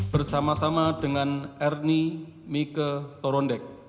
bersama sama dengan ernie mike torondek